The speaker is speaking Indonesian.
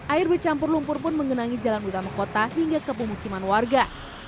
air bercampur lumpur pun mengenangi jalan utama kota hingga ke pemukiman warga